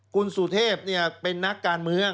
คุณสุเทพเป็นนักการเมือง